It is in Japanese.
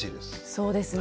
そうですね。